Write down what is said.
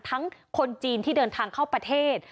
คนจีนที่เดินทางเข้าประเทศ